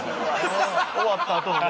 終わったあとのね。